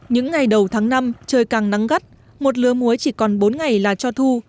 những ngày đầu tháng năm trời càng nắng gắt một lứa muối chỉ còn bốn ngày là cho thu